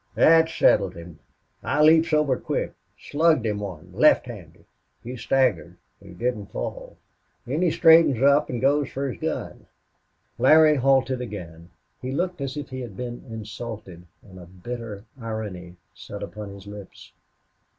"Thet settled him. I leaps over QUICK, slugged him one lefthanded. He staggered, but he didn't fall.... Then he straightens an' goes fer his gun." Larry halted again. He looked as if he had been insulted, and a bitter irony sat upon his lips.